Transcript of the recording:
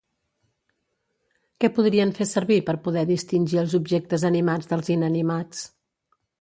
Què podrien fen servir per poder distingir els objectes animats dels inanimats?